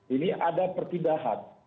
ini ada pertindahan